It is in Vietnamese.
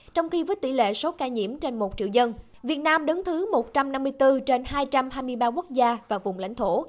trong khi với tỷ lệ số ca nhiễm trên một triệu dân việt nam đứng thứ một trăm năm mươi bốn trên hai trăm hai mươi ba quốc gia và vùng lãnh thổ